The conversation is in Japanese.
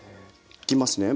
いきますね。